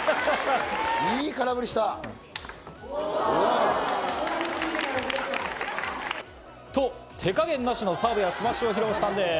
いい空振りした！と、手加減なしのサーブやスマッシュを披露したんです。